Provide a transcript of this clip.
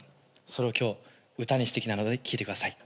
それを今日歌にしてきたので聴いてください。